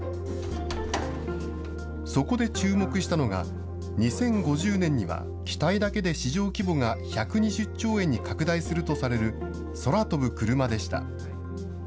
そこで注目したのが、２０５０年には機体だけで市場規模が１２０兆円に拡大するとされる空飛ぶクルマでした。